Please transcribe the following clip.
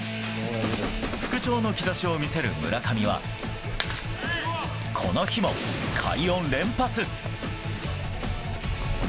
復調の兆しを見せる村上は、この日も快音連発。